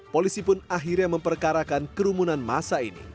polisi pun akhirnya memperkarakan kerumunan masa ini